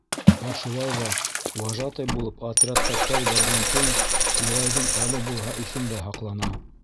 Ә шулай ҙа вожатый булып отрядҡа тәү барған көн Юлайҙың әле булһа иҫендә һаҡлана.